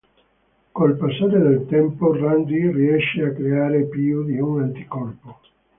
Col passare del tempo Randy riesce a creare più di un anticorpo.